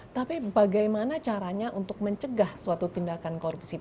tapi bagaimana caranya untuk mencegah suatu tindakan korupsi